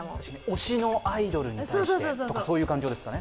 推しのアイドルに対してとか、そういう感情ですか。